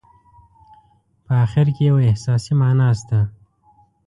په اخر کې یوه احساسي معنا شته.